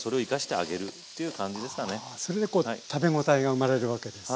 あそれでこう食べ応えが生まれるわけですね。